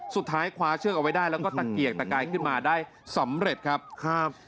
สุดท้ายคว้าเชือกเอาไว้ได้